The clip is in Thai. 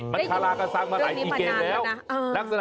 มันทารากสร้างมาหลายอีเกนแล้วเรื่องนี้มานานแล้วนะ